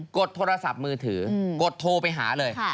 ดโทรศัพท์มือถือกดโทรไปหาเลย